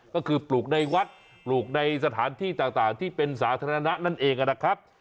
ก็คือปลูกในวัดปลูกในสถานที่ต่างที่เป็นสาธารณะนั่นเองนะครับ